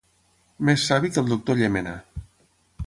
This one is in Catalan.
Més savi que el doctor Llémena.